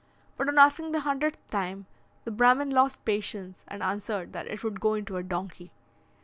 But on asking the hundredth time, the Brahmin lost patience, and answered that it would go into a donkey."